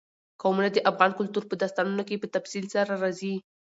قومونه د افغان کلتور په داستانونو کې په تفصیل سره راځي.